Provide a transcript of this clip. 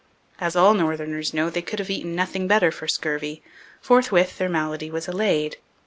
As all northerners know, they could have eaten nothing better for scurvy. Forthwith their malady was allayed.